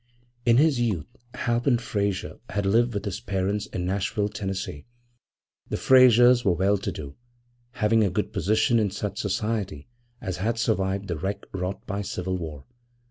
IIIn his youth Halpin Frayser had lived with his parents in Nashville, Tennessee. The Fraysers were well to do, having a good position in such society as had survived the wreck wrought by civil war.